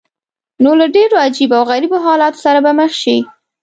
نو له ډېرو عجیبه او غریبو حالاتو سره به مخ شې.